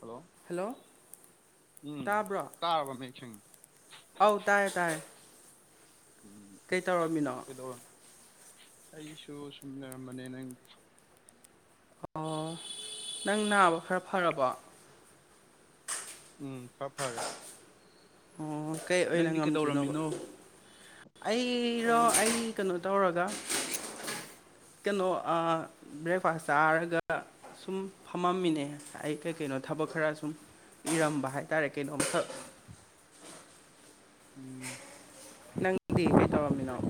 hello hello ꯎꯝ ꯇꯥꯕ꯭ꯔꯣ ꯇꯥꯔꯕ ꯃꯌꯦꯛ ꯁꯦꯡꯅ ꯑꯧ ꯇꯥꯔꯦ ꯇꯥꯔꯦ ꯎꯝ ꯀꯩ ꯇꯧꯔꯝꯃꯤꯅꯣ ꯀꯩꯗꯧꯔ ꯑꯩꯁꯨ ꯁꯨꯝ ꯂꯩꯔꯝꯕꯅꯦ ꯅꯪꯗꯤ ꯑꯣ ꯅꯪ ꯅꯥꯕ ꯈꯔ ꯐꯔꯕꯣ ꯎꯝ ꯈꯔ ꯐꯔꯦ ꯑꯣ ꯀꯩ ꯑꯣꯏꯅ ꯅꯪꯗꯤ ꯉꯝꯗ꯭ꯔꯤꯅꯣꯕ ꯀꯩꯗꯧꯔꯝꯃꯤꯅꯣ ꯑꯩꯔꯣ ꯑꯩ ꯀꯩꯅꯣ ꯇꯧꯔꯒ ꯀꯩꯅꯣ ꯑ ꯕ꯭ꯔꯦꯛꯐꯥꯁ ꯆꯥꯔꯒ ꯁꯨꯝ ꯐꯝꯃꯝꯃꯤꯅꯦ ꯑꯩ ꯀꯩ ꯀꯩꯅꯣ ꯊꯕꯛ ꯈꯔ ꯁꯨꯝ ꯏꯔꯝꯕ ꯍꯥꯏꯇꯥꯔꯦ ꯀꯩꯅꯣꯝꯈꯛ ꯎꯝ ꯅꯪꯗꯤ ꯀꯩ ꯇꯧꯔꯝꯃꯤꯅꯣ ꯑꯩ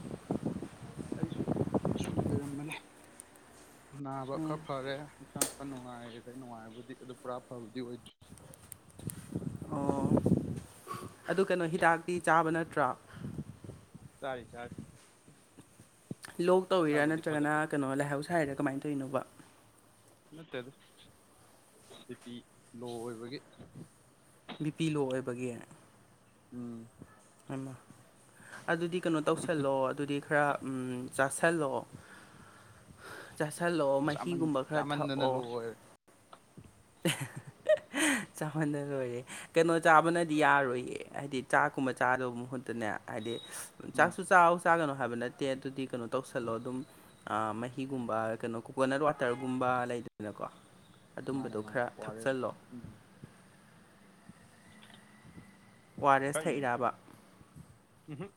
ꯑꯩꯁꯨ ꯁꯨꯝ ꯂꯩꯔꯝꯕꯅꯦ ꯅꯥꯕ ꯈꯔ ꯐꯔꯦ ꯍꯛꯆꯥꯡ ꯈꯔ ꯅꯨꯡꯉꯥꯏꯔꯦ ꯅꯨꯡꯉꯥꯏꯕꯨꯗꯤ ꯑꯗꯨ ꯄꯨꯔꯥ ꯐꯕꯗꯤ ꯑꯣꯏꯗ꯭ꯔꯤ ꯑꯣ ꯑꯗꯨ ꯀꯩꯅꯣ ꯍꯤꯗꯥꯛꯇꯤ ꯆꯥꯕ ꯅꯠꯇ꯭ꯔꯣ ꯆꯥꯔꯤ ꯆꯥꯔꯤ ꯂꯣꯛ ꯇꯧꯔꯤꯔꯥ ꯈꯔꯕꯨꯗꯤ ꯅꯠꯇ꯭ꯔꯒꯅ ꯐꯒꯠꯂꯦ ꯀꯩꯅꯣ ꯂꯥꯏꯍꯧ ꯁꯥꯏꯔꯥ ꯀꯃꯥꯏꯅ ꯇꯧꯔꯤꯅꯣꯕ ꯅꯠꯇꯦꯗꯤ ꯕꯤ ꯄꯤ ꯂꯣ ꯑꯣꯏꯕꯒꯤ ꯕꯤꯄꯤ ꯂꯣ ꯑꯣꯏꯕꯒꯤ ꯎꯝ ꯎ ꯑꯗꯨꯗꯤ ꯀꯩꯅꯣ ꯇꯧꯁꯜꯂꯣ ꯑꯗꯨꯗꯤ ꯈꯔ ꯆꯥꯥꯁꯜꯂꯛꯣ ꯆꯥꯥꯁꯜꯂꯛꯑꯣ ꯆꯥꯃꯟ ꯃꯍꯤꯒꯨꯝꯕ ꯈꯔ ꯆꯥꯃꯟꯗꯅ ꯊꯛꯑꯣ ꯂꯣ ꯑꯣꯏꯔꯦ [inaudible] ꯆꯥꯎꯃꯟꯅ ꯂꯣꯏꯔꯦ ꯀꯩꯅꯣ ꯆꯥꯕꯅꯗꯤ ꯌꯥꯔꯣꯏꯌꯦ ꯍꯥꯏꯗꯤ ꯆꯥꯛꯀꯨꯝꯕ ꯆꯥꯗꯕ ꯃꯍꯨꯠꯇꯅꯦ ꯍꯥꯏꯗꯤ ꯎꯝ ꯆꯥꯛꯁꯨ ꯆꯥꯛ ꯆꯥꯒꯅꯨ ꯍꯥꯏꯕ ꯅꯠꯇꯦ ꯑꯗꯨꯗꯤ ꯀꯩꯅꯣ ꯇꯧꯁꯜꯂꯣ ꯑꯗꯨꯝ ꯃꯍꯤꯒꯨꯝꯕ ꯀꯩꯅꯣ ꯀꯣꯀꯣꯅꯠ ꯋꯥꯇꯔꯒꯨꯝꯕ ꯂꯩꯗꯅꯀꯣ ꯃꯥꯅꯦ ꯑꯗꯨꯝꯕꯗꯣ ꯃꯥꯅꯦ ꯈꯔ ꯑꯣ ꯑꯥꯔ ꯑꯦꯁ ꯊꯛꯆꯤꯜꯂꯣ ꯎꯝ ꯑꯣ ꯑꯥꯔ ꯑꯦꯁ ꯏꯁꯩꯩꯅꯦ ꯁꯩ ꯊꯛꯏꯔꯕ ꯎꯝꯍꯨꯝ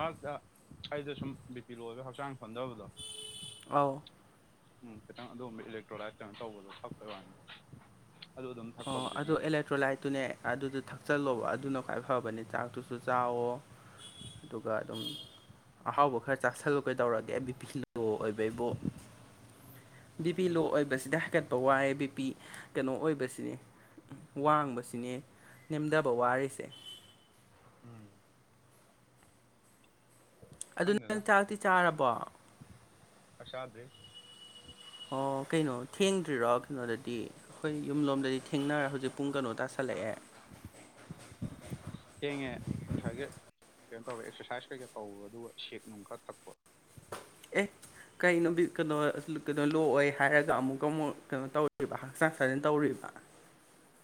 ꯃꯔꯛꯇ ꯑꯩꯗ ꯁꯨꯝ ꯕꯤꯄꯤꯤ ꯂꯣꯏꯕ ꯍꯛꯆꯥꯡ ꯐꯣꯟꯗꯕꯗꯣ ꯑꯥꯎ ꯎꯝ ꯈꯤꯇꯪ ꯑꯗꯨꯒꯨꯝꯕ ꯏꯂꯦꯛꯇ꯭ꯔꯣꯂꯥꯏ ꯇꯧꯕꯗꯣ ꯐꯛꯇ ꯋꯥꯅꯤ ꯑꯗꯨꯗ ꯑꯗꯨꯝ ꯑꯣ ꯊꯛꯄꯕꯨꯗꯤ ꯑꯗꯣ ꯅꯠꯇꯦ ꯑꯦꯂꯦꯛ ꯊꯦꯇ꯭ꯔꯣꯂꯥꯏꯠꯇꯨꯅꯦ ꯑꯗꯨꯗ ꯊꯛꯆꯜꯂꯣꯕ ꯑꯗꯨꯅ ꯈ꯭ꯋꯥꯏ ꯐꯕꯅꯦ ꯆꯥꯛꯇꯨꯁꯨ ꯆꯥꯋꯣ ꯑꯗꯨꯒ ꯑꯗꯨꯝ ꯑꯍꯥꯎꯕ ꯈꯔ ꯆꯥꯛꯁꯜꯂꯨ ꯀꯩꯗꯧꯔꯒꯦ ꯑꯩꯕꯤꯄꯤꯤꯜꯂꯣ ꯑꯣꯏꯕꯩꯕꯨ ꯕꯤ ꯄꯤ ꯂꯣ ꯑꯣꯏꯕꯁꯤꯗ ꯍꯥꯏꯀꯠꯄ ꯋꯥꯏꯦ ꯕꯤꯄꯤꯤ ꯀꯩꯅꯣ ꯑꯣꯏꯕꯁꯤ ꯁꯤꯅꯦ ꯋꯥꯡꯕꯁꯤꯅꯦ ꯅꯦꯝꯊꯕ ꯋꯥꯔꯤꯁꯦ ꯎꯝ ꯑꯗꯨ ꯈꯪꯗꯦꯗ ꯅꯪ ꯆꯥꯛꯇꯤ ꯆꯥꯔꯕꯣ ꯄꯁꯥꯗꯦ ꯑꯣ ꯀꯩꯅꯣ ꯊꯦꯡꯗ꯭ꯔꯤꯔꯣ ꯀꯩꯅꯣꯗꯗꯤ ꯑꯩꯈꯣꯏ ꯌꯨꯝ ꯂꯣꯝꯗꯗꯤ ꯊꯦꯡꯅꯔ ꯍꯧꯖꯤꯛ ꯄꯨꯡ ꯀꯩꯅꯣ ꯇꯥꯁꯜꯂꯛꯑꯦ ꯊꯦꯡꯉꯦ ꯉꯁꯥꯏꯒꯤ ꯀꯩꯅꯣ ꯇꯧꯔꯦ ꯑꯦꯛꯁꯔꯁꯥꯏꯁ ꯀꯩꯀꯥ ꯇꯧꯕ ꯑꯗꯨꯒ ꯁꯦꯛ ꯅꯨꯡ ꯈꯔ ꯊꯛꯄ ꯑꯦ ꯀꯩꯅ ꯅꯨꯣ ꯀꯩꯅꯣ ꯀꯩꯅꯣ ꯂꯣꯛꯑꯣꯏ ꯍꯥꯏꯔꯒ ꯑꯃꯨꯛꯀ ꯑꯃꯨꯛ ꯀꯩꯅꯣ ꯇꯧꯔꯤꯕ ꯍꯛꯆꯥꯡ ꯁꯥꯖꯟ ꯇꯧꯔꯤꯕ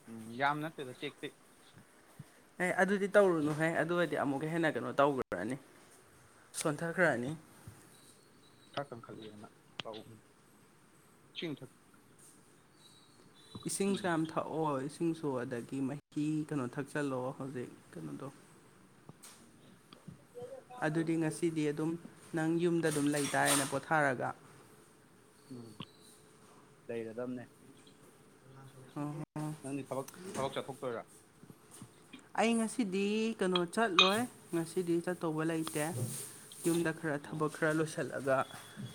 ꯎꯝ ꯌꯥꯝ ꯅꯠꯇꯦꯗ ꯇꯦꯛ ꯇꯦꯛ ꯑꯦ ꯑꯗꯨꯗꯤ ꯇꯧꯔꯨꯅꯨꯍ ꯑꯗꯨ ꯑꯣꯏꯗꯤ ꯑꯃꯨꯛꯀ ꯍꯦꯟꯅ ꯀꯩꯅꯣ ꯇꯧꯈ꯭ꯔꯅꯤ ꯁꯣꯟꯊꯈ꯭ꯔꯅꯤ ꯈ ꯀꯪ ꯈꯜꯂꯤ ꯌꯥꯝꯅ ꯐꯥꯎ ꯆꯤꯟꯊꯛ ꯏꯁꯤꯡꯁꯨ ꯌꯥꯝ ꯊꯛꯑꯣ ꯏꯁꯤꯡꯁꯨ ꯑꯗꯒꯤ ꯃꯍꯤ ꯀꯩꯅꯣ ꯊꯛꯆꯜꯂꯣ ꯍꯧꯖꯤꯛ ꯀꯩꯅꯣꯗꯣ ꯑꯗꯨꯗꯤ ꯉꯁꯤꯗꯤ ꯑꯗꯨꯝ ꯅꯪ ꯌꯨꯝꯗ ꯑꯗꯨꯝ ꯂꯩꯇꯥꯔꯦꯅ ꯄꯣꯊꯥꯔꯒ ꯎꯝ ꯂꯩꯒꯗꯕꯅꯦ ꯍ ꯍ ꯅꯪꯗꯤ ꯊꯕꯛ ꯊꯕꯛ ꯆꯠꯊꯣꯛꯇꯣꯏꯔꯥ ꯑꯩ ꯉꯁꯤꯗꯤ ꯀꯩꯅꯣ ꯆꯠꯂꯣꯏ ꯉꯁꯤꯗꯤ ꯆꯠꯇꯧꯕ ꯂꯩꯇꯦ ꯌꯨꯝꯗ ꯈꯔ ꯑꯣ ꯊꯕꯛ ꯈꯔ ꯂꯣꯏꯁꯤꯜꯂ ꯀꯊꯠꯂꯒ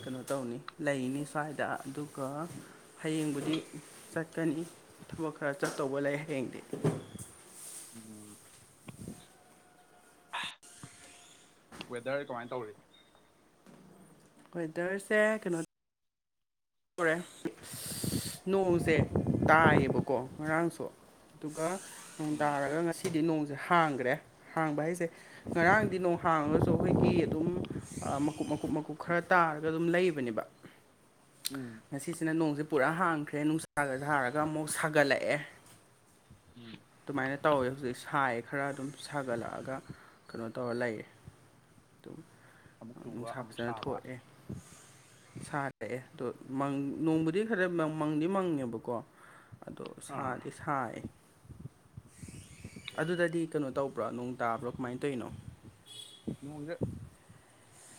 ꯀꯩꯅꯣ ꯇꯧꯅꯤ ꯂꯩꯅꯤ ꯁ꯭ꯋꯥꯏꯗ ꯑꯗꯨꯒ ꯍꯌꯦꯡꯕꯨꯗꯤ ꯆꯠꯀꯅꯤ ꯊꯕꯛ ꯈꯔ ꯆꯠꯇꯧꯕ ꯂꯩ ꯍꯌꯦꯡꯗꯤ ꯎꯝ ꯋꯦꯗꯔ ꯀꯃꯥꯏꯅ ꯇꯧꯔꯤ ꯋꯦꯗꯔꯁꯦ ꯀꯩꯅꯣ ꯑꫭꯔꯦ ꯅꯣꯡꯁꯦ ꯇꯥꯏꯌꯦꯕꯀꯣ ꯉꯔꯥꯡꯁꯨ ꯑꯗꯨꯒꯀ ꯅꯣꯡ ꯎꯝ ꯇꯥꯔꯒ ꯉꯁꯤꯗꯤ ꯅꯣꯡꯁꯦ ꯍꯥꯡꯈ꯭ꯔꯦ ꯍꯥꯡꯕ ꯍꯥꯏꯁꯦ ꯎꯝ ꯉꯔꯥꯡꯗꯤ ꯅꯣꯡ ꯍꯥꯡꯉꯒꯁꯨ ꯑꯩꯈꯣꯏꯒꯤ ꯑꯗꯨꯝ ꯃꯀꯨꯞ ꯃꯀꯨꯞ ꯃꯀꯨꯞ ꯈꯔ ꯇꯥꯔꯒ ꯑꯗꯨꯝ ꯂꯩꯕꯅꯦꯕ ꯎꯝ ꯉꯁꯤꯁꯤꯅ ꯅꯣꯡꯁꯦ ꯄꯨꯔꯥ ꯍꯥꯡꯈ꯭ꯔꯦ ꯅꯨꯡꯁꯥꯒ ꯁꯥꯔꯒ ꯑꯃꯨꯛ ꯁꯥꯒꯠꯂꯛꯑꯦ [inaudible] ꯑꯗꯨꯃꯥꯏꯅ ꯇꯧꯋꯦ ꯍꯧꯖꯤꯛ ꯁꯥꯏꯌꯦ ꯈꯔ ꯑꯗꯨꯝ ꯁꯥꯒꯠꯂꯛꯑꯒ ꯀꯩꯅꯣ ꯇꯧꯔ ꯂꯩꯌꯦ ꯑꯃꯨꯛ ꯆꯨꯕ ꯑꯃꯨꯛ ꯁꯥꯕ ꯁꯥ [unintelligible] ꯑꯗꯣ ꯃꯪ ꯅꯣꯡꯕꯨꯗꯤ ꯈꯔ ꯃꯪꯗꯤ ꯃꯪꯉꯦꯕꯀꯣ ꯑꯗꯣ ꯑꯥ ꯁꯥꯗꯦ ꯊꯥꯏ ꯑꯗꯨꯗꯗꯤ ꯀꯩꯅꯣ ꯇꯧꯕ꯭ꯔꯣ ꯅꯣꯡ ꯇꯥꯕ꯭ꯔꯣ ꯀꯃꯥꯏꯅ ꯇꯧꯔꯤꯅꯣ ꯅꯣꯡꯁꯦ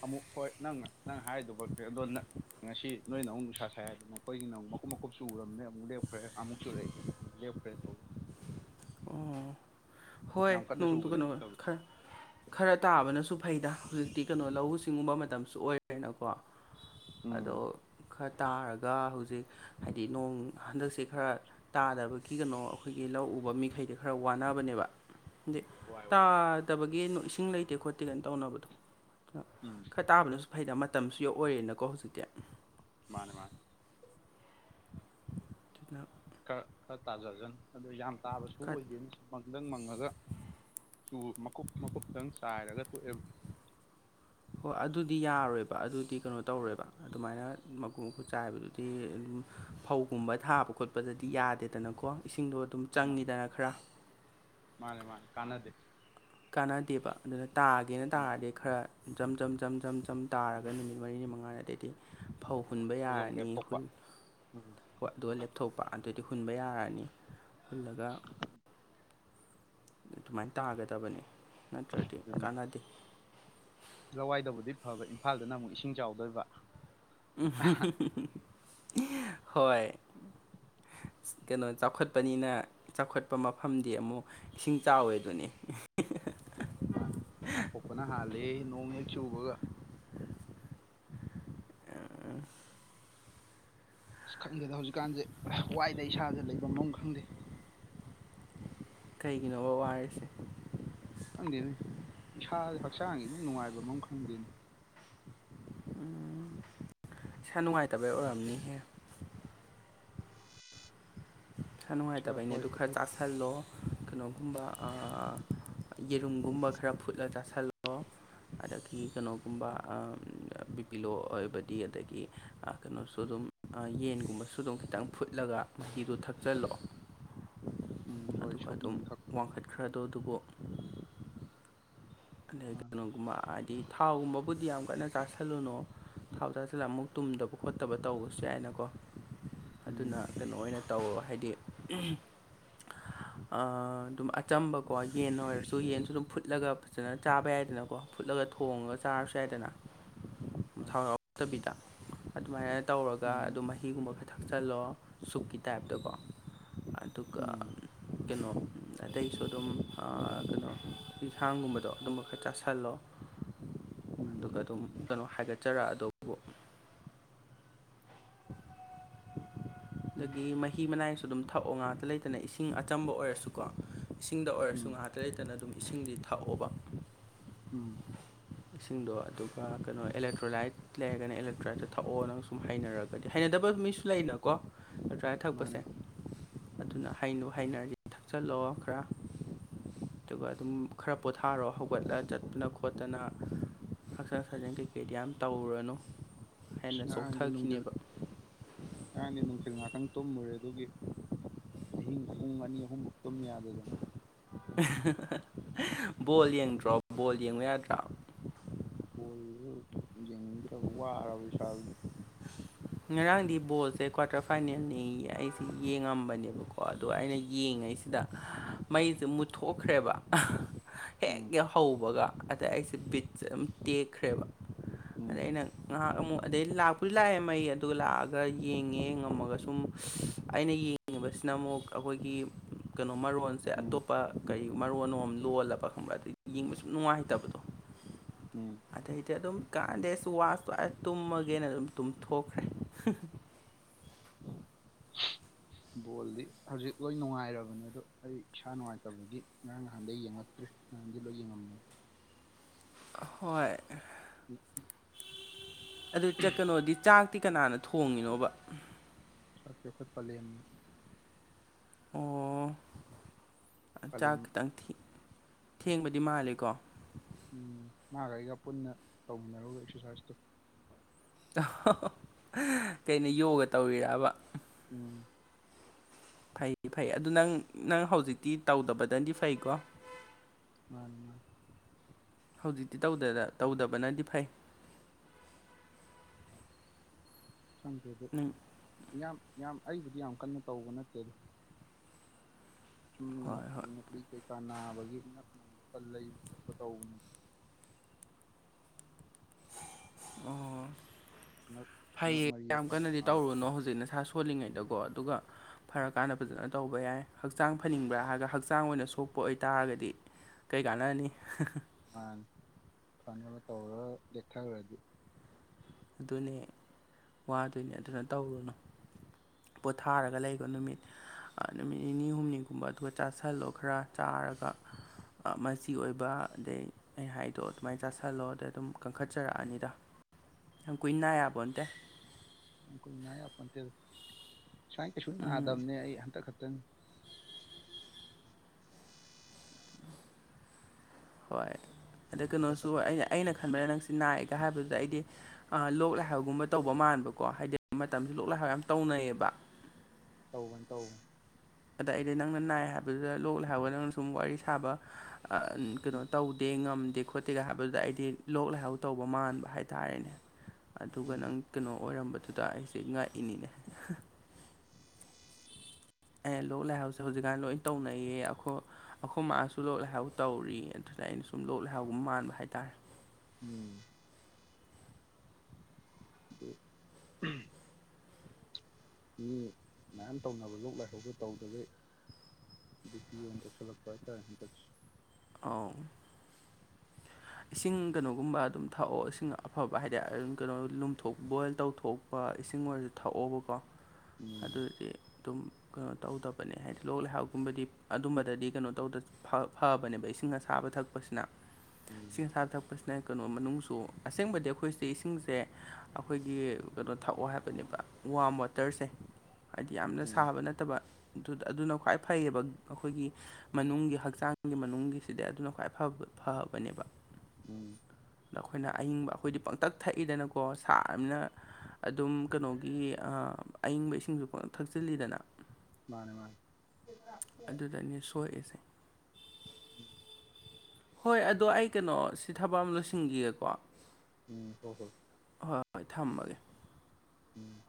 ꯑꯃꯨꯛ ꯍꯣꯏ ꯅꯪ ꯅꯪ ꯍꯥꯏꯗꯨꯃꯛ ꯅꯦ ꯑꯗꯣ ꯅꯪ ꯉꯁꯤ ꯅꯣꯏꯅ ꯑꯃꯨꯛ ꯅꯨꯡꯁꯥ ꯁꯥꯏ ꯍꯥꯏꯗꯅ ꯑꯥꯈꯣꯏꯒꯤꯅꯨꯛ ꯃꯈꯀꯨꯞ ꯃꯈꯀꯨꯞ ꯆꯨꯔꯃꯦ ꯃꯨꯛ ꯂꯦꯞꯈ꯭ꯔꯦ ꯑꯃꯨꯛ ꯆꯨꯔꯛꯑꯦ ꯑꯃꯨꯛ ꯂꯦꯄꯈꯔꯦ ꯑꯣ ꯍꯣꯏ ꯌꯥꯝ ꯀꯟꯅ ꯅꯣꯡꯗꯨ ꯆꯨꯕꯗꯤ ꯀꯩꯅꯣ ꯅꯠꯇꯕ ꯈꯔ ꯈꯔ ꯇꯥꯕꯅꯁꯨ ꯐꯩꯗ ꯍꯧꯖꯤꯛꯇꯤ ꯀꯩꯅꯣ ꯂꯧꯎ ꯁꯤꯡꯎꯕ ꯃꯇꯝꯁꯨ ꯑꯣꯏꯔꯦꯅꯀꯣ ꯑꯗꯣ ꯎꯝ ꯈꯔ ꯇꯥꯔꯒ ꯍꯧꯖꯤꯛ ꯍꯥꯏꯗꯤ ꯅꯣꯡ ꯍꯟꯗꯛꯁꯦ ꯈꯔ ꯇꯥꯗꯕꯒꯤ ꯀꯩꯅꯣ ꯑꯩꯈꯣꯏꯒꯤ ꯂꯧ ꯎꯕ ꯃꯤ ꯃꯤꯈꯩꯗꯤ ꯈꯔ ꯋꯥꯅꯕꯅꯦꯕꯥ ꯋꯥꯏ ꯋꯥꯏ ꯐꯠꯇꯕꯒꯤ ꯏꯁꯤꯡ ꯂꯩꯇꯦ ꯈꯣꯠꯇꯦ ꯀꯩꯅ ꯇꯧꯅꯕꯗꯣ ꯎꯝ ꯈꯔ ꯇꯥꯕꯅꯁꯨ ꯐꯩꯩꯅ ꯃꯇꯝꯁꯨ ꯑꯣꯏꯔꯦꯅꯀꯣ ꯍꯧꯖꯤꯛꯇꯤ ꯃꯥꯅꯦ ꯃꯥꯅꯦ ꯑꯗꯨꯅꯥ ꯈꯔ ꯈꯔ ꯇꯥꯖꯖꯅꯤ ꯑꯣ ꯌꯥꯝ ꯇꯥꯕꯁꯨ ꯈꯔ ꯑꯣꯏꯗꯦꯅꯤ ꯃꯪꯗꯪ ꯃꯪꯉꯒ ꯆꯨ ꯃꯀꯨꯞ ꯃꯀꯨꯞꯇꯪ ꯆꯥꯏꯔꯒ ꯇꯣꯛꯑꯦꯕ ꯍꯣꯏ ꯑꯗꯨꯗꯤ ꯌꯥꯔꯣꯏꯕ ꯑꯗꯨꯗꯤ ꯀꯩꯅꯣ ꯇꯧꯔꯣꯏꯕ ꯑꯗꯨꯃꯥꯏꯅ ꯃꯀꯨꯞ ꯃꯀꯨꯞ ꯆꯥꯏꯕꯗꯨꯗꯤ ꯑꯗꯨꯝ ꯐꯧꯒꯨꯝꯕ ꯊꯥꯕ ꯈꯣꯠꯄꯗꯗꯤ ꯌꯥꯗꯦꯗꯅꯀꯣ ꯏꯁꯤꯡꯗꯣ ꯑꯗꯨꯝ ꯃꯥꯅꯦ ꯆꯪꯉꯤꯗꯅ ꯈꯔ ꯃꯥꯅꯦ ꯃꯥꯅꯦ ꯀꯥꯟꯅꯗꯦ ꯀꯥꯟꯅꯗꯦꯕ ꯑꯗꯨꯅ ꯇꯥꯒꯦꯅ ꯎꯝ ꯇꯥꯔꯗꯤ ꯈꯔ ꯖꯝ ꯖꯝ ꯖꯝ ꯖꯝ ꯖꯝ ꯇꯥꯔꯒ ꯅꯨꯃꯤꯠ ꯃꯔꯤꯅꯤ ꯃꯉꯥꯅꯤ ꯑꯗꯩꯗꯤ ꯐꯧ ꯍꯨꯟꯕ ꯑꯗꯨꯒ ꯑꯃꯨꯛ ꯌꯥꯔꯅꯤ ꯂꯦꯞꯊꯣꯛꯄ ꯎꯝ ꯑꯗꯨ [unintelligible] ꯊꯣꯛꯄ ꯑꯗꯨꯗꯤ ꯍꯨꯟꯕ ꯌꯥꯔꯅꯤ ꯍꯨꯜꯂꯒ ꯑꯗꯨꯃꯥꯏꯅ ꯇꯥꯒꯗꯕꯅꯤ ꯅꯠꯇ꯭ꯔꯗꯤ ꯑꯗꯨꯅꯤ ꯀꯥꯟꯅꯗꯦ ꯂꯋꯥꯏꯗꯕꯨꯗꯤ ꯐꯕ ꯏꯝꯐꯥꯜꯗꯅ ꯑꯃꯨꯛ ꯏꯁꯤꯡ ꯆꯥꯎꯗꯣꯏꯕ [unintelligible] [unintelligible] ꯍꯣꯏ ꯀꯩꯅꯣ ꯆꯥꯎꯈꯠꯄꯅꯤꯅ ꯆꯥꯎꯈꯠꯄ ꯃꯐꯝꯗꯤ ꯑꯃꯨꯛ ꯏꯁꯤꯡ ꯆꯥꯎꯋꯦ ꯑꯗꯨꯅꯤ ꯑꯗꯨꯝ ꯄꯥꯊꯣꯛꯄꯅ ꯍꯥꯜꯂꯦ ꯅꯣꯡ ꯍꯦꯛ ꯆꯨꯕꯒ ꯑꯁ ꯈꯪꯗꯦꯗ ꯍꯧꯖꯤꯛꯀꯥꯟꯁꯦ ꯋꯥꯏꯗ ꯏꯁꯥꯁꯦ ꯂꯩꯕꯝ ꯑꯃꯥ ꯈꯪꯗꯦ ꯀꯩꯒꯤꯅꯣꯕ ꯋꯥꯔꯤꯁꯦ ꯈꯪꯗꯦꯅꯦ ꯏꯁꯥ ꯍꯛꯆꯥꯡꯒꯤ ꯏꯅꯨꯡ ꯅꯨꯡꯉꯥꯏꯕ ꯑꯃ ꯈꯪꯗꯦꯅꯦ ꯎꯝ ꯏꯁꯥ ꯅꯨꯡꯉꯥꯏꯇꯕ ꯑꯣꯏꯔꯝꯅꯤꯍꯦ ꯏꯁꯥ ꯅꯨꯡꯉꯥꯏꯇꯕꯅꯤꯅꯦ ꯑꯗꯨ ꯈꯔ ꯆ [unintelligible] ꯆꯥꯁꯜꯂꯣ ꯀꯩꯅꯣꯒꯨꯝꯕ ꯌꯦꯔꯨꯝꯒꯨꯝꯕ ꯈꯔ ꯐꯨꯠꯂꯒ ꯆꯥꯁꯜꯂꯣ ꯑꯗꯒꯤ ꯀꯩꯅꯣꯒꯨꯝꯕ ꯕꯤꯄꯤ ꯂꯣ ꯑꯣꯏꯕꯗꯤ ꯑꯗꯒꯤ ꯀꯩꯅꯣꯁꯨ ꯑꯗꯨꯝ ꯌꯦꯟꯒꯨꯝꯕꯁꯨ ꯑꯗꯨꯝ ꯈꯤꯇꯪ ꯐꯨꯠꯂꯒ ꯃꯍꯤꯗꯣ ꯊꯛꯆꯜꯂꯣ ꯎꯝ ꯍꯣꯏ ꯁꯨꯞ ꯅꯨꯡ ꯊꯛꯄꯗꯣ ꯈꯔꯗꯣ ꯑꯗꯨꯕꯨ ꯑꯗꯩ ꯃꯥꯅꯦ ꯀꯩꯅꯣꯒꯨꯝꯕ ꯍꯥꯏꯕꯗꯤ ꯊꯥꯎꯒꯨꯝꯕꯕꯨꯗꯤ ꯌꯥꯝ ꯀꯟꯅ ꯆꯥꯥꯁꯜꯂꯨꯅꯣ ꯊꯥꯎ ꯆꯥꯁꯤꯂ ꯑꯃꯨꯛ ꯇꯨꯝꯗꯕ ꯈꯣꯠꯇꯕ ꯇꯧꯕꯁꯨ ꯌꯥꯏꯅꯀꯣ ꯑꯗꯨꯅ ꯎꯝ ꯀꯩꯅꯣ ꯑꯣꯏꯅ ꯇꯧ ꯍꯥꯏꯗꯤ ꯑꯗꯨꯝ ꯑꯆꯝꯕꯀꯣ ꯌꯦꯟ ꯑꯣꯏꯔꯁꯨ ꯌꯦꯟꯁꯨ ꯑꯗꯨꯝ ꯐꯨꯠꯂꯒ ꯐꯖꯅ ꯆꯥꯕ ꯌꯥꯏꯗꯅꯀꯣ ꯐꯨꯠꯂꯒ ꯊꯣꯡꯉꯒ ꯆꯥꯔꯁꯨ ꯌꯥꯏꯗꯅ ꯍꯣꯏ ꯊꯔ ꯠꯇꯕꯤꯗ ꯑꯗꯨꯃꯥꯏꯅ ꯇꯧꯔꯒ ꯎꯝ ꯑꯗꯨꯃꯥꯏꯅ ꯍꯤꯒꯨꯝꯕ ꯈ ꯊꯛꯆꯜꯂꯣ ꯁꯨꯞꯀꯤ ꯇꯥꯏꯞꯇꯀꯣ ꯑꯗꯨꯒ ꯎꯝ ꯀꯩꯅꯣ ꯑꯇꯩꯁꯨ ꯑꯗꯨꯝ ꯀꯩꯅꯣ ꯌꯦꯟꯁꯥꯡꯒꯨꯝꯕ ꯇꯣ ꯑꯗꯨꯝꯕ ꯈꯔ ꯆꯥꯥꯁꯜꯂꯣ ꯎꯝ ꯑꯗꯨꯒ ꯑꯗꯨꯝ ꯀꯩꯅꯣ ꯍꯥꯏꯒꯠꯆꯔꯛ ꯑꯗꯨꯕꯨ ꯈꯪꯗꯦ ꯑꯗꯒꯤ ꯃꯍꯤ ꯃꯅꯥꯏꯁꯨ ꯑꯗꯨꯝ ꯊꯛꯑꯣ ꯉꯥꯛꯇ ꯂꯩꯇꯅ ꯏꯁꯤꯡ ꯑꯆꯝꯕ ꯑꯣꯏꯔꯁꯨꯀꯣ ꯏꯁꯤꯡꯗ ꯑꯣꯏꯔꯁꯨ ꯎꯝ ꯉꯥꯏꯍꯥꯛꯇ ꯂꯩꯇꯅ ꯑꯗꯨꯝ ꯏꯁꯤꯡꯗꯤ ꯊꯛꯑꯣꯕ ꯎꯝ ꯏꯁꯤꯡꯗꯣ ꯑꯗꯨꯒ ꯀꯩꯅꯣ ꯑꯦꯂꯦꯛꯇ꯭ꯔꯣꯂꯥꯏꯠ ꯂꯩꯔꯒꯅ ꯑꯦꯂꯦꯛꯇ꯭ꯔꯥꯏꯠꯇ ꯊꯛꯑꯣ ꯅꯪ ꯁꯨꯝ ꯍꯩꯅꯔꯒꯗꯤ ꯍꯩꯅꯗꯕ ꯃꯤꯁꯨ ꯂꯩꯅꯀꯣ ꯃꯥꯅꯦ ꯊꯛꯄꯁꯦ ꯃꯥꯅꯦ ꯑꯗꯨꯅ ꯍꯥꯏꯅꯨ ꯍꯥꯏꯅꯔꯗꯤ ꯊꯛꯆꯜꯂꯛꯑꯣ ꯈꯔ ꯑꯗꯨꯒ ꯑꯗꯨꯝ ꯈꯔ ꯄꯣꯊꯥꯔꯣ ꯍꯧꯒꯠꯂ ꯆꯠꯇꯅ ꯈꯣꯠꯇꯅ ꯍꯛꯆꯥꯡ ꯁꯥꯖꯦꯜ ꯀꯩꯀꯩꯗꯤ ꯌꯥꯝ ꯇꯧꯔꯨꯔꯅꯨ ꯑꯁ ꯍꯦꯟꯅ ꯉꯔꯥꯡꯗꯤ ꯅꯨꯡꯊꯤꯜ ꯆꯣꯛꯊꯈꯤꯅꯦꯕ ꯉꯔꯥꯡꯗꯤ ꯅꯨꯡꯊꯤꯜ ꯉꯥꯛꯇꯪ ꯇꯨꯝꯃꯨꯔꯦ ꯑꯗꯨꯒꯤ ꯑꯍꯤꯡ ꯄꯨꯡ ꯑꯅꯤ ꯑꯍꯨꯝꯐꯧ ꯑꯗꯨꯝ ꯌꯥꯗꯗꯅ ꯕꯣꯜ ꯌꯦꯡꯗ꯭ꯔꯣ ꯕꯣꯜ ꯌꯦꯡꯕ ꯌꯥꯗ꯭ꯔꯥ ꯣꯜꯗꯨ ꯌꯦꯡꯅꯤꯡꯗ꯭ꯔꯕ ꯋꯥꯔꯕ ꯁꯥ ꯉꯔꯥꯡꯗꯤ ꯕꯣꯜꯁꯦ ꯀ꯭ꯋꯥꯔꯇꯔ ꯐꯥꯏꯅꯦꯜꯅꯤ ꯑꯩꯁꯦ ꯌꯦꯡꯉꯝꯕꯅꯦꯕꯀꯣ ꯑꯗꯣ ꯑꯩꯅ ꯌꯦꯡꯉꯁꯤꯗ ꯃꯩꯁꯦ ꯃꯨꯠꯊꯣꯛꯈ꯭ꯔꯦꯕ ꯍꯦꯛ ꯎꯝ ꯍꯦꯛ ꯍꯧꯕꯒ ꯑꯗ ꯑꯩꯁꯦ ꯕꯤꯠꯁꯦ ꯑꯗꯨꯝ ꯇꯦꯛꯈ꯭ꯔꯦꯕ ꯑꯗ ꯎꯝ ꯑꯩꯅ ꯑ ꯑꯗ ꯂꯥꯄꯨꯔꯤ ꯂꯑ ꯃ ꯑꯗꯨꯒ ꯂꯥꯛꯑꯒ ꯌꯦꯡꯉꯦ ꯉꯝꯃꯒ ꯁꯨꯝ ꯑꯩꯅ ꯌꯦꯡꯉꯤꯕꯁꯤꯅ ꯑꯃꯨꯛ ꯑꯩꯈꯣꯏꯒꯤ ꯀꯩꯅꯣꯝꯕꯔ ꯋꯥꯟ ꯁꯦ ꯎꯝ ꯑꯇꯣꯞꯄ ꯀꯔꯤ ꯃꯔꯨꯅꯣꯝ ꯂꯣꯜꯂꯕ ꯈꯪꯕ꯭ꯔꯥ ꯑꯩ ꯌꯦꯡꯕ ꯁꯨꯝ ꯅꯨꯡꯉꯥꯏꯇꯕꯗꯣ ꯎꯝ ꯑꯗꯩꯗꯤ ꯑꯗꯨꯝ ꯀꯥꯟꯅꯗꯩ ꯑꯩꯁꯨ ꯋꯥꯁꯇꯣ ꯑꯁ ꯇꯨꯝꯃꯒꯦꯅ ꯑꯗꯨꯝ ꯇꯨꯝꯊꯣꯛ ꯍ [unintelligible] ꯕꯣꯜꯗꯤ ꯍꯧꯖꯤꯛ ꯂꯣꯏ ꯅꯨꯡꯉꯥꯏꯔꯕꯅꯦ ꯑꯗꯣ ꯑꯩ ꯏꯁꯥ ꯅꯨꯡꯉꯥꯏꯇꯕꯒꯤ ꯉꯔꯥꯡ ꯅꯍꯥꯟꯗꯩ ꯌꯦꯡꯉꯛꯇ꯭ꯔꯤ ꯑꯗꯤꯂꯣꯏ ꯌꯦꯡ ꯉꯝꯃꯦ ꯍꯣꯏ ꯎꯝ ꯑꯗꯨ ꯆ ꯀꯩꯅꯣꯗꯤ ꯆꯥꯛꯇꯤ ꯀꯅꯥꯅ ꯊꯣꯡꯉꯤꯅꯣꯕ ꯆꯁ ꯑꯩꯈꯠ ꯄꯂꯦꯝꯅꯤ ꯑꯣ ꯆꯥꯛ ꯄꯂꯦꯝ ꯈꯤꯇꯪ ꯊꯦꯡꯕꯗꯤ ꯃꯥꯜꯂꯤꯦꯀꯣ ꯎꯝ ꯃꯥꯒ ꯑꯩꯒ ꯄꯨꯟꯅ ꯇꯧꯃꯤꯟꯅꯔꯨꯒ ꯑꯦꯛꯁꯔꯁꯥꯏꯖꯇꯣ ꯀꯩꯅ ꯌꯣꯒ ꯇꯧꯔꯤꯔꯕ ꯎꯝ ꯐꯩ ꯐꯩ ꯑꯗꯨ ꯅꯪ ꯅꯪ ꯍꯧꯖꯤꯛꯇꯤ ꯇꯧꯗꯕꯗꯗꯤ ꯐꯩꯀꯣ ꯃꯥꯅꯦ ꯃꯥꯅꯦ ꯍꯧꯖꯤꯛꯇꯤ ꯇꯧꯗꯕꯅꯗꯤ ꯐꯩ ꯁꯪꯗꯦ ꯑꯗꯣ ꯅꯪ ꯌꯥꯝ ꯌꯥꯝ ꯑꯩꯕꯨꯗꯤ ꯌꯥꯝ ꯀꯟꯅ ꯇꯧꯕ ꯅꯠꯇꯦ ꯑꯗꯨ ꯑꯁꯨꯝꯅ ꯍꯣꯏ ꯍꯣꯏ ꯉꯛꯂꯤ ꯀꯩꯀꯥ ꯅꯥꯕꯒꯤ ꯉꯛ ꯅꯨꯡꯗꯣ ꯈ ꯂꯩꯕ ꯈꯣꯠꯄ ꯇꯧꯕꯅꯤ ꯑꯣ ꯉꯛ ꯉꯛ ꯐꯩꯌꯦ ꯃꯔꯤꯗꯣ ꯌꯥꯝ ꯈꯔ ꯀꯟꯅꯗꯤ ꯅꯥꯕ ꯇꯧꯔꯨꯅꯣ ꯍꯧꯖꯤꯛ ꯅꯁꯥ ꯁ ꯍꯣꯜꯂꯤꯉꯩꯗꯀꯣ ꯑꯗꯨꯒ ꯐꯔꯀꯥꯟꯗ ꯐꯖꯅ ꯇꯧꯕ ꯌꯥꯏ ꯍꯛꯆꯥꯡ ꯐꯅꯤꯡꯕ꯭ꯔꯥ ꯍꯥꯏꯔꯒ ꯍꯛꯆꯥꯡ ꯑꯣꯏꯅ ꯁꯣꯛꯄ ꯑꯣꯏꯇꯥꯔꯒꯗꯤ ꯀꯩ ꯀꯥꯟꯅꯅꯤ ꯃꯥꯥꯅꯤ ꯐꯅꯕ ꯇꯧꯔꯒ ꯂꯦꯛꯊꯈꯒ꯭ꯔꯗꯤ ꯑꯗꯨꯅꯦ ꯋꯥꯗꯨꯅꯦ ꯑꯗꯨꯅ ꯇꯧꯔꯨꯅꯨ ꯄꯣꯊꯥꯔꯒ ꯂꯩꯕ ꯅꯨꯃꯤꯠ ꯑ ꯅꯨꯃꯤꯠ ꯅꯤꯅꯤ ꯍꯨꯝꯅꯤꯒꯨꯝꯕ ꯑꯗꯨꯒ ꯆꯥꯥꯁꯜꯂꯣ ꯈꯔ ꯆꯥꯔꯒ ꯑ ꯃꯆꯤ ꯑꯣꯏꯕ ꯑꯗꯩ ꯑꯩ ꯍꯥꯏꯗꯣ ꯑꯗꯨꯃꯥꯏꯅ ꯆꯥꯥꯁꯜꯂꯣ ꯑꯗꯩ ꯑꯗꯨꯝ ꯀꯟꯈꯠꯆꯔꯛꯑꯅꯤꯗ ꯌꯥꯝ ꯀꯨꯏꯅꯥ ꯌꯥꯕꯣꯟꯇꯦ ꯌꯥꯝ ꯀꯨꯏ ꯅ ꯌꯥꯄꯣꯇꯦꯗ ꯁ꯭ꯋꯥꯏ ꯀꯩꯁꯨ ꯎꯝ ꯅꯥꯗꯕꯅꯦ ꯑꯩ ꯍꯟꯇꯛ ꯈꯛꯇꯅꯤ ꯍꯣꯏ ꯑꯗꯣ ꯍꯟꯇꯛ ꯈꯛ ꯀꯩꯅꯣꯁꯨ ꯑꯩꯅ ꯑꯩꯅ ꯈꯟꯕꯗ ꯅꯪꯁꯤ ꯅꯥꯏꯒ ꯍꯥꯏꯕꯗꯨꯗ ꯑꯩꯗꯤ ꯑ ꯂꯣꯛ ꯂꯥꯏꯍꯧꯒꯨꯝꯕ ꯇꯧꯕ ꯃꯥꯟꯕꯀꯣ ꯍꯥꯏꯗꯤ ꯃꯇꯝꯁꯨ ꯂꯣꯛ ꯂꯥꯏꯍꯧ ꯌꯥꯝ ꯇꯧꯅꯩꯌꯦꯕ ꯇꯧꯕꯅꯦ ꯇꯧꯕꯅꯦ ꯑꯗ ꯑꯩꯗꯤ ꯅꯪꯅ ꯅꯥꯏ ꯍꯥꯏꯕꯗꯨꯗ ꯂꯣꯛꯂꯥꯏꯍꯧ ꯍꯥꯏꯕꯒ ꯅꯪꯅ ꯁꯨꯝ ꯋꯥꯔꯤ ꯁꯥꯕ ꯑ ꯎꯝ ꯀꯩꯅꯣ ꯇꯧꯗꯦ ꯉꯝꯗꯦ ꯈꯣꯠꯇꯦꯒ ꯍꯥꯏꯕꯗꯨꯗ ꯑꯩꯗꯤ ꯂꯣꯛ ꯂꯥꯏꯍꯩ ꯇꯧꯕ ꯃꯥꯟꯕ ꯍꯥꯏꯇꯥꯔꯦꯅꯦ ꯑꯗꯨꯒ ꯎꯝ ꯅꯪ ꯀꯩꯅꯣ ꯑꯣꯏꯔꯝꯕꯗꯨꯗ ꯑꯩꯁꯦ ꯉꯛꯏꯅꯤꯅꯦ ꯑꯦ ꯂꯣꯛ ꯂꯥꯏꯍꯧꯁꯦ ꯍꯧꯖꯤꯛꯀꯥꯟ ꯂꯣꯏ ꯇꯧꯅꯩꯌꯦ ꯑꯩꯈꯣ ꯑꯩꯈꯣꯏ ꯃꯥꯁꯨ ꯂꯣꯛ ꯂꯥꯏꯍꯧ ꯇꯧꯔꯤ ꯑꯗꯨꯗ ꯑꯩꯅ ꯁꯨꯝ ꯂꯣꯛ ꯂꯥꯏꯍꯧꯒꯨꯝ ꯃꯥꯟꯕ ꯍꯥꯏꯇꯥꯥꯔꯦ ꯎꯝ ꯑꯗꯣ [inaudible] ꯃꯤ ꯃꯌꯥꯝ ꯇꯧꯅꯕ ꯂꯣꯛ ꯂꯥꯏꯍꯧꯗꯣ ꯇꯧꯗꯒꯩ ꯕꯤ ꯄꯤ ꯑꯣꯏꯅ ꯇꯧꯁꯤꯜꯂꯛꯄ ꯍꯥꯏꯇꯥꯔꯦ ꯍꯟꯗꯛꯁꯤ ꯑꯥꯎ ꯏꯁꯤꯡ ꯀꯩꯅꯣꯒꯨꯝꯕ ꯑꯗꯨꯝ ꯊꯛꯑꯣ ꯏꯁꯤꯡ ꯑꯐꯕ ꯍꯥꯏꯗꯤ ꯑ ꯀꯩꯅꯣ ꯂꯨꯝꯊꯣꯛ ꯕꯣꯏꯜ ꯇꯧꯊꯣꯛ ꯀꯣ ꯏꯁꯤꯡ ꯑꯣꯏꯔꯁꯨ ꯊꯛꯑꯣꯕꯀꯣ ꯎꯝ ꯑꯗꯨꯗꯤ ꯑꯗꯨꯝ ꯀꯩꯅꯣ ꯇꯧꯗꯕꯅꯦ ꯍꯥꯏꯗꯤ ꯂꯣꯛ ꯂꯥꯏꯍꯧꯀꯨꯝꯕꯗꯤ ꯑꯗꯨꯝꯕꯗꯗꯤ ꯀꯩꯅꯣ ꯇꯧꯗꯁꯨ ꯐ ꯐꯕꯅꯦꯕ ꯏꯁꯤꯡ ꯑꯁꯥꯕ ꯊꯛꯄꯁꯤꯅ ꯎꯝ ꯏꯁꯤꯡ ꯑꯁꯥ ꯊꯛꯄꯁꯤꯅ ꯀꯩꯅꯣ ꯃꯅꯨꯡꯁꯨ ꯑꯁꯦꯡꯕꯗꯤ ꯑꯩꯈꯣꯏꯁꯤ ꯏꯁꯤꯡꯁꯦ ꯑꯩꯈꯣꯏꯒꯤ ꯀꯩꯅꯣ ꯊꯛꯑꯣ ꯍꯥꯏꯕꯅꯦꯕ ꯋꯥꯝ ꯋꯥꯇꯔꯁꯦ ꯍꯥꯏꯗꯤ ꯌꯥꯝꯅ ꯎꯝ ꯁꯥꯕ ꯅꯠꯇꯕ ꯑꯗꯨ ꯑꯗꯨꯅ ꯈ꯭ꯋꯥꯏ ꯐꯩꯌꯦꯕ ꯑꯩꯈꯣꯏꯒꯤ ꯃꯅꯨꯡꯒꯤ ꯍꯛꯆꯥꯡꯒꯤ ꯃꯅꯨꯡꯒꯤꯁꯤꯗꯤ ꯑꯗꯨꯅ ꯈ꯭ꯋꯥꯏ ꯐ ꯐꯕꯅꯦꯕ ꯎꯝ ꯑꯗ ꯑꯩꯈꯣꯏꯅ ꯑꯏꯤꯡꯕ ꯑꯩꯈꯣꯏꯗꯤ ꯄꯪꯇꯛ ꯊꯛꯏꯗꯅꯀꯣ ꯁꯥꯔꯕꯅꯤꯅ ꯑꯗꯨꯝ ꯀꯩꯅꯣꯒꯤ ꯑꯏꯪꯕ ꯏꯁꯤꯡꯁꯨ ꯄꯪꯊ ꯊꯛꯆꯤꯜꯂꯤꯗꯅ ꯃꯥꯅꯦ ꯃꯥꯅꯦ ꯑꯗꯨꯗꯅꯦ ꯁꯣꯛꯏꯁꯦ ꯎꯝ ꯍꯣꯏ ꯑꯗꯣ ꯑꯩ ꯀꯩꯅꯣ ꯁꯤ ꯊꯕꯛ ꯑꯃ ꯂꯣꯏꯁꯤꯟꯈꯤꯒꯦꯀꯣ ꯎꯝ ꯍꯣꯏ ꯍꯣꯏ ꯍꯣꯏ ꯍꯣꯏ ꯊꯝꯃꯒꯦ ꯎꯝ